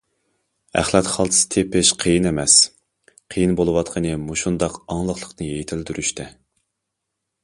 ئەخلەت خالتىسى تېپىش قىيىن ئەمەس، قىيىن بولۇۋاتقىنى مۇشۇنداق ئاڭلىقلىقنى يېتىلدۈرۈشتە.